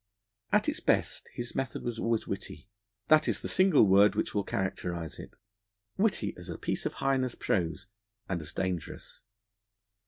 At its best, his method was always witty that is the single word which will characterise it witty as a piece of Heine's prose, and as dangerous.